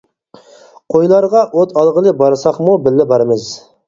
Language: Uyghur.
قويلارغا ئوت ئالغىلى بارساقمۇ بىللە بارىمىز.